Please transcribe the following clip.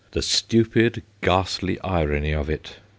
The stupid, ghastly irony of it